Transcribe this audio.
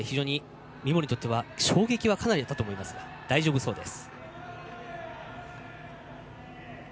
三森にとっては衝撃は大きかったと思いますが大丈夫そうです。